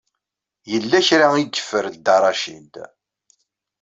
Yella kra i yeffer Dda Racid.